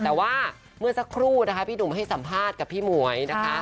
แต่ว่าเมื่อสักครู่นะคะพี่หนุ่มให้สัมภาษณ์กับพี่หมวยนะคะ